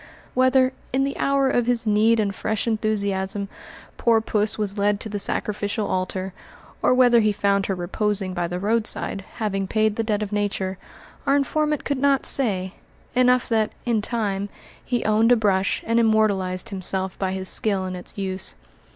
Whether, in the hour of his need and fresh enthusiasm, poor puss was led to the sacrificial altar, or whether he found her reposing by the roadside, having paid the debt of Nature, our informant could not say; enough that, in time, he owned a brush and immortalized himself by his skill in its use.